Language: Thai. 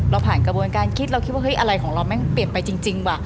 เราผ่านกระบวนการคิดเราคิดว่าเฮ้ยอะไรของเราแม่งเปลี่ยนไปจริงว่ะ